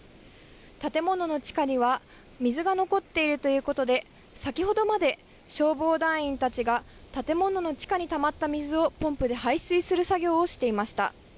建物の地下には水が残っているということで先ほどまで消防団員たちが建物の地下にたまった水をポンプで排水する作業をしていました。